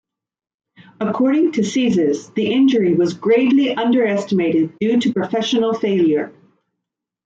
According to Czyz, the injury was gravely underestimated due to professional failure.